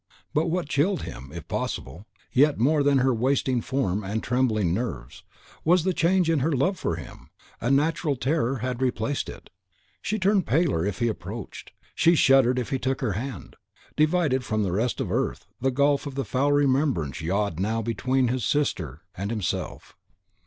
But what chilled him, if possible, yet more than her wasting form and trembling nerves, was the change in her love for him; a natural terror had replaced it. She turned paler if he approached, she shuddered if he took her hand. Divided from the rest of earth, the gulf of the foul remembrance yawned now between his sister and himself.